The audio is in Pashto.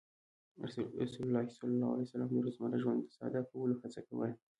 رسول الله صلى الله عليه وسلم د روزمره ژوند د ساده کولو هڅه کوله.